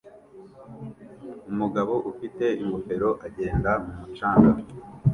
Umugabo ufite ingofero agenda mumucanga